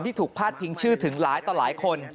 ถูกพาดพิงชื่อถึงหลายต่อหลายคน